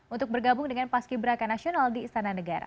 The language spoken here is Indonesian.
untuk bergabung dengan paski beraka nasional di istana negara